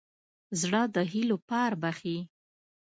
زړه د هيلو پار بښي.